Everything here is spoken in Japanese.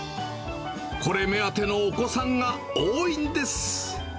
これ目当てのお子さんが多いんです。